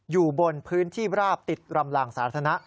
อยู่บนพื้นที่ราบติดรำลางสาธารณะ